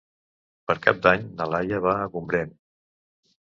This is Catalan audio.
Per Cap d'Any na Laia va a Gombrèn.